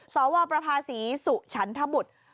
สวประภาษีสุฉันทบุตร